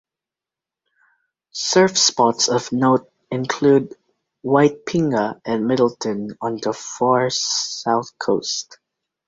Surf spots of note include Waitpinga and Middleton on the Far South Coast.